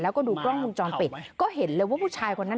แล้วก็ดูกล้องวงจรปิดก็เห็นเลยว่าผู้ชายคนนั้น